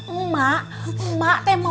emak mau kamu ngelawan sama barnas emak